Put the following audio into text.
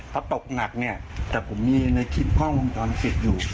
ถ้าตกหนักแต่ผมมีในคลิปห้องตอนฝิดอยู่